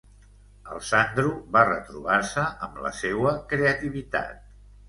El Sandro va retrobar-se amb la seua creativitat.